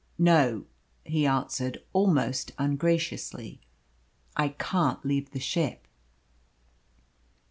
"No," he answered almost ungraciously, "I can't leave the ship."